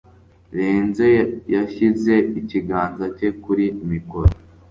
Renzo yashyize ikiganza cye kuri mikoro.